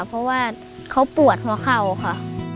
เพราะว่าเขาปวดหัวเข่าค่ะ